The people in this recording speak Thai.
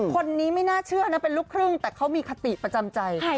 คนนี้ไม่น่าเชื่อนะเป็นลูกครึ่งแต่เขามีคติประจำใจ